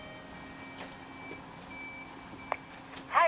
「はい」